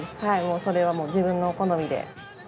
それはもう自分の好みで。